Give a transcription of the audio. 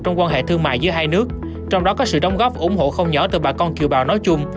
trong quan hệ thương mại giữa hai nước trong đó có sự đóng góp ủng hộ không nhỏ từ bà con kiều bào nói chung